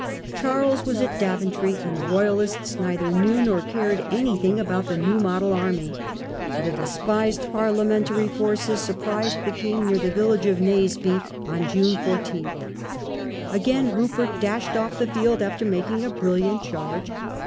Charles was at Daventry, and the Royalists neither knew nor Naseby. cared anything about the New Model army. J"ne 14, 1645 The despised Parliamentary forces surprised the king near THE ROYAL CAUSE FALLING. 53 the village of Naseby on June 14. Again Rupert dashed off the field after making a brilliant charge.